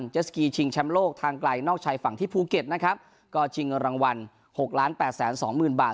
เจสกีชิงแชมป์โลกทางไกลนอกชายฝั่งที่ภูเก็ตนะครับก็ชิงเงินรางวัลหกล้านแปดแสนสองหมื่นบาท